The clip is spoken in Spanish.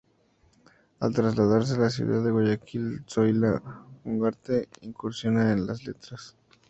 Al trasladarse a la ciudad de Guayaquil, Zoila Ugarte incursiona en las letras.